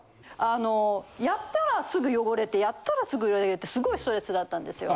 あのやったらすぐ汚れてやったらすぐ汚れてすごいストレスだったんですよ。